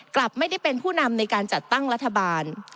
กลับไม่ได้เป็นผู้นำในการจัดตั้งรัฐบาล